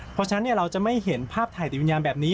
เพราะฉะนั้นเราจะไม่เห็นภาพถ่ายติดวิญญาณแบบนี้